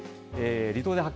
離島で発見！